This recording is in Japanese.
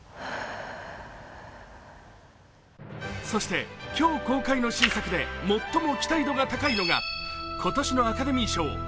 そして今日公開の新作で最も期待度が高いのが、今年のアカデミー賞